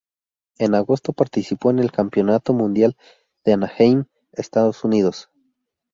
En agosto participó en el Campeonato Mundial de Anaheim, Estados Unidos.